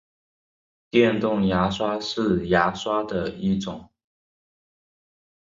电动牙刷是牙刷的一种。